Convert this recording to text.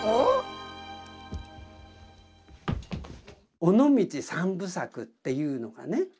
「尾道三部作」っていうのがね